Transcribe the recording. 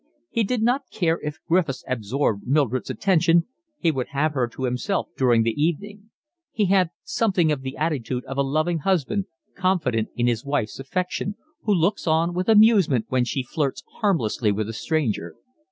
He did not care if Griffiths absorbed Mildred's attention, he would have her to himself during the evening: he had something of the attitude of a loving husband, confident in his wife's affection, who looks on with amusement while she flirts harmlessly with a stranger.